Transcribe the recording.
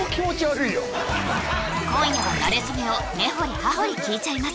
今夜はなれそめを根掘り葉掘り聞いちゃいます！